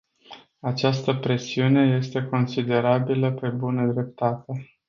Această presiune este considerabilă, pe bună dreptate.